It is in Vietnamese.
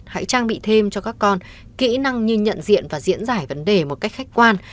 hãy trang bị thêm cho các con kỹ năng như nhận diện và diễn giải vấn đề một cách khách quan